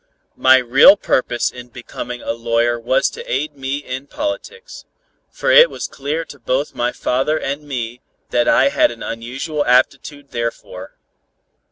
My real purpose in becoming a lawyer was to aid me in politics, for it was clear to both my father and me that I had an unusual aptitude therefor.